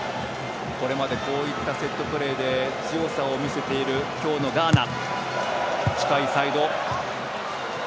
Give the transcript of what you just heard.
これまでこういったセットプレーで強さを見せている今日のガーナ。